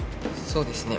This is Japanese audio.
そうですね